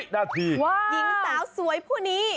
หว่าหญิงสาวสวยพวกนี้